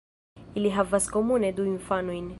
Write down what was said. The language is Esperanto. Ili havas komune du infanojn.